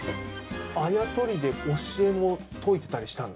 あや取りで教えを説いてたりしたんだ？